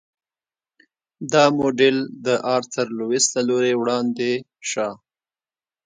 دا موډل د آرتر لویس له لوري وړاندې شو.